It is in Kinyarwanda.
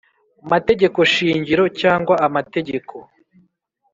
Mategeko Shingiro cyangwa Amategeko